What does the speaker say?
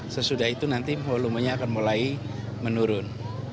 sesudah itu nanti volumenya akan mulai menurun